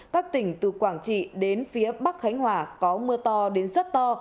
các tỉnh từ quảng trị đến phía bắc khánh hòa có mưa to đến rất to